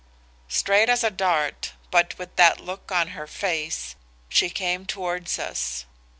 "Straight as a dart, but with that look on her face, she came towards us.